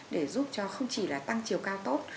để giúp cho không chỉ là tăng chiều cao tốt